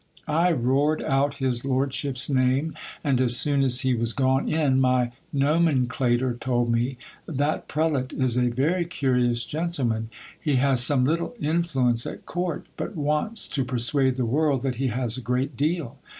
I roared out his lordship's name, and as soon as he was gone in, my nomenclator told me — That prelate is a very curious gentleman. He has some little influence at court ; but wants to persuade the world that he has a great deal.